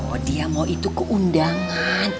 oh dia mau itu keundangan